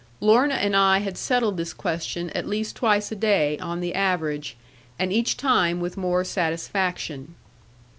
Lorna and I had settled this question at least twice a day, on the average; and each time with more satisfaction.